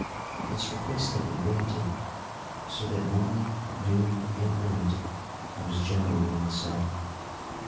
This request had been granted, so that morning, noon, and night I was generally in the saddle.